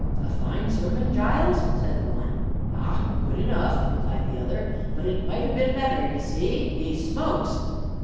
'A fine sermon, Giles?' said the one. 'Ah! good enough,' replied the other, 'but it might ha' been better ye see 'e smokes!'